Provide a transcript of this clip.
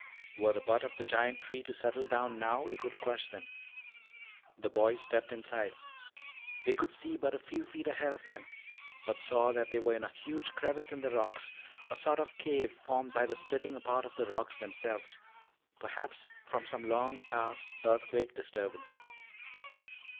Were the butt of that giant tree to settle down now, it would crush them. The boys stepped inside. They could see but a few feet ahead of them, but saw that they were in a huge crevice in the rocks, a sort of cave formed by the splitting apart of the rocks themselves, perhaps from some long past earthquake disturbance.